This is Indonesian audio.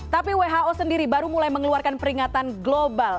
tapi who sendiri baru mulai mengeluarkan peringatan global